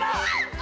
あ！